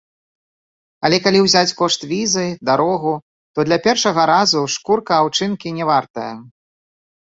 Але калі ўзяць кошт візы, дарогу, то для першага разу шкурка аўчынкі не вартая.